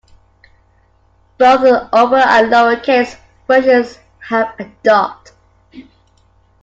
Both the upper and lower case versions have a dot.